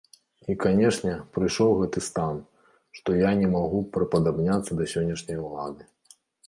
І, канешне, прыйшоў гэты стан, што я не магу прыпадабняцца да сённяшняй улады.